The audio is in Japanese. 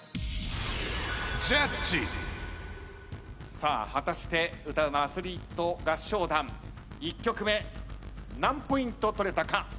さあ果たして歌ウマアスリート合唱団１曲目何ポイント取れたか。